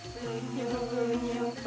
linyu nyu pene em bimbing kuwi